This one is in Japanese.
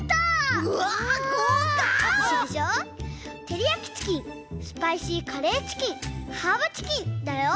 てりやきチキンスパイシーカレーチキンハーブチキンだよ。